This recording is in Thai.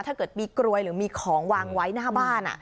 ถ้าเกิดมีกลวยหรือมีของวางไว้หน้าบ้าน